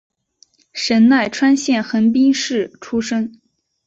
神奈川县横滨市出身。